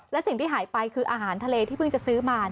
และสิ่งที่หายไปคืออาหารทะเลที่เพิ่งจะซื้อมา